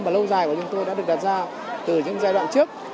và lâu dài của chúng tôi đã được đặt ra từ những giai đoạn trước